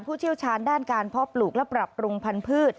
เชี่ยวชาญด้านการเพาะปลูกและปรับปรุงพันธุ์